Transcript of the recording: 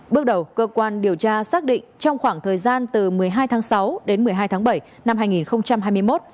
bước đầu cơ quan điều tra xác định trong khoảng thời gian từ một mươi hai tháng sáu đến một mươi hai tháng bảy năm hai nghìn hai mươi một